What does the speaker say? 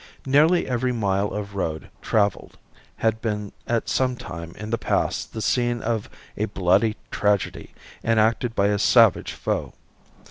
Nearly every mile of road traveled had been at some time in the past the scene of a bloody tragedy enacted by a savage foe.